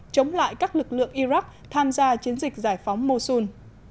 chống lại các lực lượng iraq tham gia chiến dịch giải phóng mosun